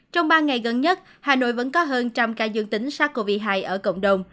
trong ba ngày gần nhất hà nội vẫn có hơn trăm ca dương tính sars cov hai ở cộng đồng